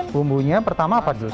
bumbunya pertama apa jules